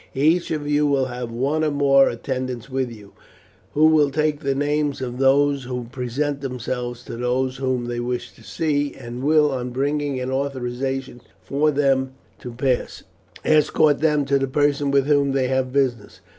Each of you will have one or more attendants with you, who will take the names of those who present themselves to those whom they wish to see, and will, on bringing an authorization for them to pass, escort them to the person with whom they have business.